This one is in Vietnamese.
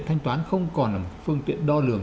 thanh toán không còn là một phương tiện đo lường